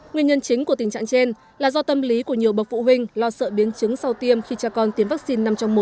nguyên nhân chính của tình trạng trên là do tâm lý của nhiều bậc phụ huynh lo sợ biến chứng sau tiêm khi cha con tiêm vaccine năm trong một